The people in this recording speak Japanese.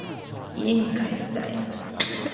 家に帰りたい。